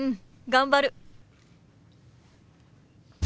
頑張る。